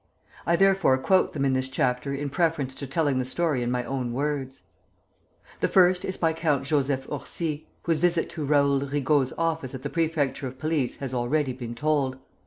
I therefore quote them in this chapter in preference to telling the story in my own words. The first is by Count Joseph Orsi, whose visit to Raoul Rigault's office at the Prefecture of Police has already been told.